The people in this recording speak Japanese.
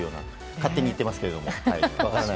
勝手に言ってますけど。